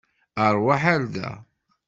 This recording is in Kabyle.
Aṛwaḥ ar da.